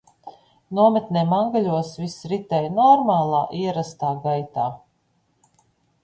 Nometnē Mangaļos viss ritēja normālā, ierastā gaitā.